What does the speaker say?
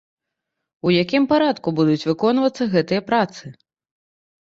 У якім парадку будуць выконвацца гэтыя працы?